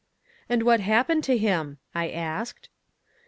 "And what happened to him?" I asked.